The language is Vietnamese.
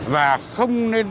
và không nên